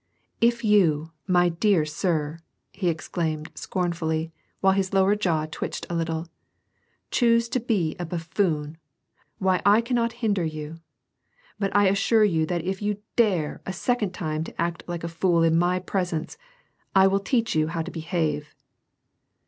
" If you, my dear sir," he exclaimed, scornfully, while his lower jaw twitched a little, '' choose to be a buffoon, why I cannot hinder you ; but I assure you that if you dare a second time to act like a fool in my presence, I will teach you how to behave."